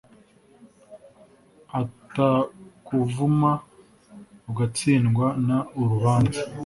atakuvuma ugatsindwa n urubanza